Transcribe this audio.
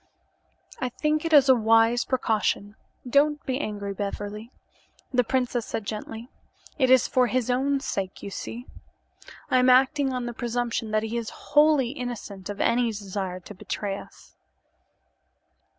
"I think it is a wise precaution. Don't be angry, Beverly," the princess said gently. "It is for his own sake, you see. I am acting on the presumption that he is wholly innocent of any desire to betray us."